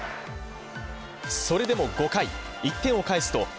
それでも５回、１点を返すと